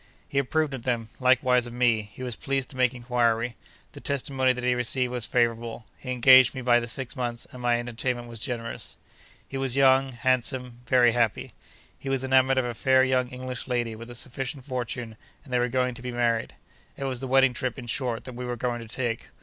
He approved of them; likewise of me. He was pleased to make inquiry. The testimony that he received was favourable. He engaged me by the six months, and my entertainment was generous. He was young, handsome, very happy. He was enamoured of a fair young English lady, with a sufficient fortune, and they were going to be married. It was the wedding trip, in short, that we were going to take.